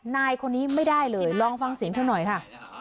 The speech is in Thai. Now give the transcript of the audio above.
นายคนนี้ไม่ได้เลยลองฟังเสียงเธอหน่อยค่ะ